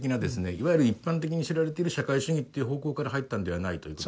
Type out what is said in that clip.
いわゆる一般的に知られてる社会主義っていう方向から入ったんではないということですね。